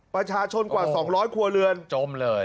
ประชาชนกว่า๒๐๐ครัวเรือนจมเลย